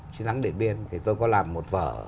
chiến thắng điện biên thì tôi có làm một vở